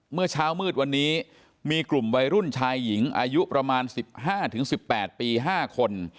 เมื่อเช้ามืดวันนี้มีกลุ่มวัยรุ่นชายหญิงอายุประมาณสิบห้าถึงสิบแปดปีห้าคน